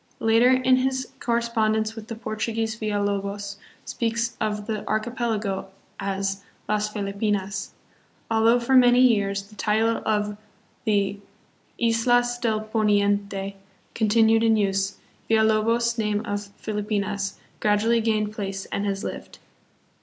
Later in his correspondence with the Portuguese Villalobos speaks of the archipelago as Las Felipinas. Although for many years the title of the Islas del Poniente continued hi use, Villalobos' name of Filipinas gradually gained place and has lived.